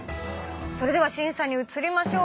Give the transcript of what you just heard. それでは審査に移りましょう。